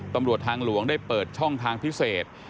ตำรวจทางหลวงได้เปิดช่องทางพิเศษ